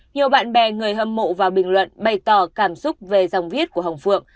nhiều bạn bè người hâm mộ vào bình luận bày tỏ cảm xúc về dòng viết của hồng phượng